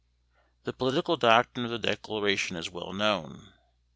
The political doctrine of the Declaration is well known.